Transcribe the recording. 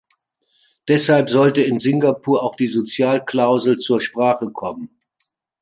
Deshalb sollte in Singapur auch die Sozialklausel zur Sprache kommen.